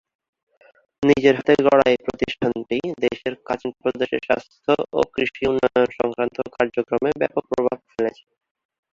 নিজের হাতে গড়া এই প্রতিষ্ঠানটি দেশের কাচিন প্রদেশে স্বাস্থ্য ও কৃষি উন্নয়ন-সংক্রান্ত কার্যক্রমে ব্যাপক প্রভাব ফেলেছে।